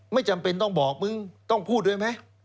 ไม่จำเป็นต้องบอกมึงต้องพูดด้วยไหม